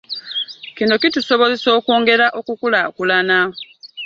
Kino kitusobozesa okwongera okukulaakulana.